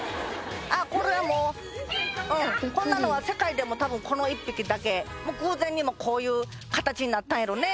あこれもうこんなのは世界でも多分この１匹だけ偶然にもこういう形になったんやろね